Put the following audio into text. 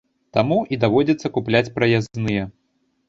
Таму і даводзіцца купляць праязныя.